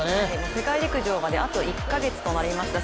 世界陸上まであと１カ月となりました。